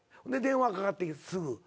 で電話かかってきてすぐ。